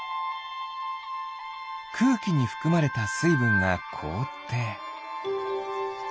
くうきにふくまれたすいぶんがこおって。